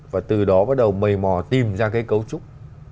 và từ đó bắt đầu mầy mò tìm ra cái cấu trúc